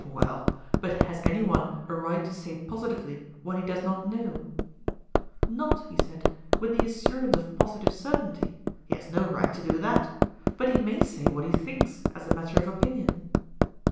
Well, but has any one a right to say positively what he does not know? Not, he said, with the assurance of positive certainty; he has no right to do that: but he may say what he thinks, as a matter of opinion.